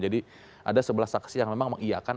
jadi ada sebelas saksi yang memang mengiyakan